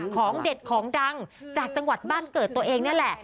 ของเด็ดของดังจากจังหวัดบ้านเกิดตัวเองนี่แหละ